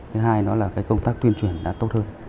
thứ hai nữa là công tác tuyên truyền đã tốt hơn